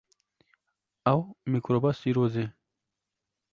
Ew mîkroba sîrozê.